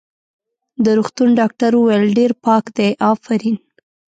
د روغتون ډاکټر وویل: ډېر پاک دی، افرین.